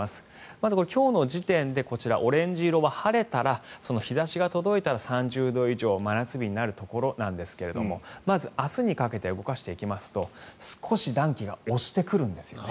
まず今日の時点でこちら、オレンジ色は晴れたら日差しが届いて３０度以上、真夏日になるところなんですけれどもまず明日にかけて動かしていきますと少し暖気が押してくるんです。